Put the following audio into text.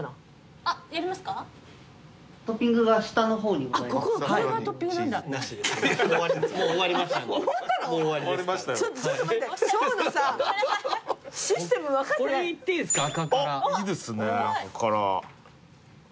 あぁいいですね。